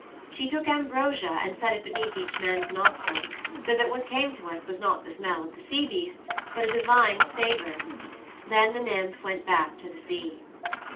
She took ambrosia and set it beneath each man's nostril, so that what came to us was not the smell of the sea beasts but a divine savour. Then the nymph went back to the sea.